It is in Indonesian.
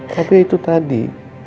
tapi itu tadi